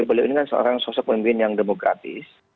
beliau ini kan seorang sosok pemimpin yang demokratis